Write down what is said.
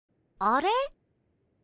あれ？